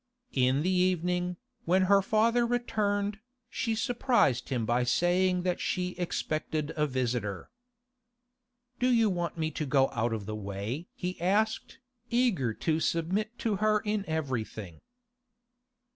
In the evening, when her father returned, she surprised him by saying that she expected a visitor. 'Do you want me to go out of the way?' he asked, eager to submit to her in everything.